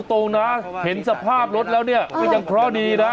ตรงนะเห็นสภาพรถแล้วเนี่ยก็ยังเคราะห์ดีนะ